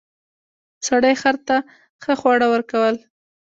سړي خر ته ښه خواړه ورکول.